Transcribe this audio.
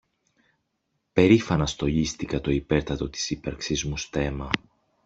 περήφανα στολίστηκα το υπέρτατο της ύπαρξής μου στέμμα